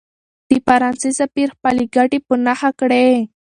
د فرانسې سفیر خپلې ګټې په نښه کړې وې.